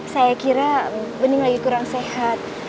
saya kira bening lagi kurang sehat